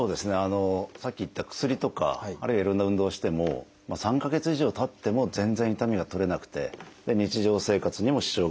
さっき言った薬とかあるいはいろんな運動をしても３か月以上たっても全然痛みが取れなくて日常生活にも支障がある。